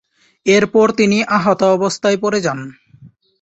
এরপর তিনি আহতাবস্থায় পড়ে যান।